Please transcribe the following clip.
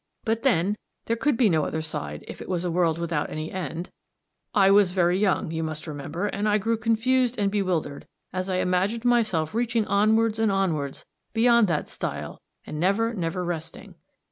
But then there could be no other side if it was a world without any end. I was very young, you must remember, and I grew confused and bewildered as I imagined myself reaching onwards and onwards beyond that stile and never, never resting.